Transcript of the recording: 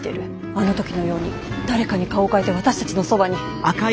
あの時のように誰かに顔を変えて私たちのそばに。